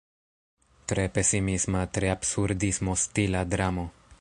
Tre pesimisma, tre absurdismo-stila dramo.